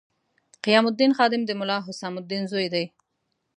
قیام الدین خادم د ملا حسام الدین زوی دی.